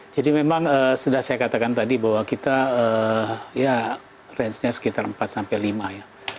jadi memang sudah saya katakan tadi bahwa kita ya rangenya sekitar empat sampai lima ya